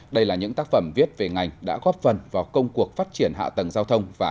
đây là những tác phẩm viết về ngành đã góp phần vào công cuộc phát triển hạ tầng giao thông và